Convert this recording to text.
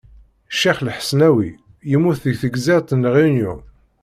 Ccix Lḥesnawi yemmut deg tegzirt n Réunion.